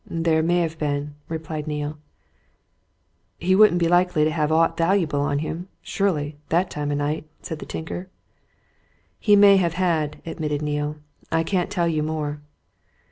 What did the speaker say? "There may have been," replied Neal. "He wouldn't be likely to have aught valuable on him, surely that time o' night?" said the tinker. "He may have had," admitted Neale. "I can't tell you more."